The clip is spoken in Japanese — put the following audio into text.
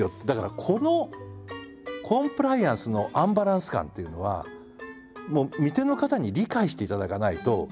だからこのコンプライアンスのアンバランス感っていうのはもう見手の方に理解していただかないと。